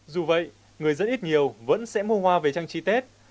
dù vậy người dân ít nhiều vẫn sẽ mua hoa về trang trí tết